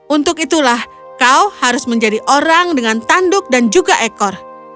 untuk itulah kau harus menjadi orang dengan tanduk dan juga ekor